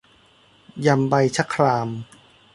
ยำใบชะคราม